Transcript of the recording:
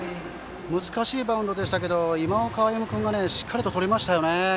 難しいバウンドでしたが今岡歩夢君がしっかりととりましたよね。